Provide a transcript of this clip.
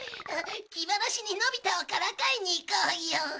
気晴らしにのび太をからかいに行こうよ。